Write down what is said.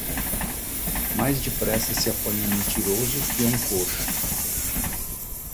Mais depressa se apanha um mentiroso que um coxo.